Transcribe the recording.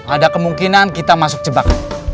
ada kemungkinan kita masuk jebak